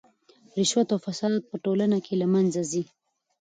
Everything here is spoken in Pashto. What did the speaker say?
رشوت او فساد په ټولنه کې له منځه ځي.